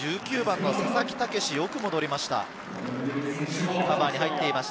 １９番の佐々木剛、よく戻りました。